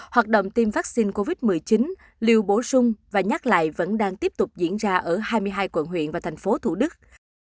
hoạt động tiêm vaccine covid một mươi chín liều bổ sung và nhắc lại vẫn đang tiếp tục diễn ra ở hai mươi hai quận huyện và thành phố thủ đức